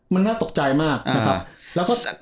มันน่าตกใจมากนะครับ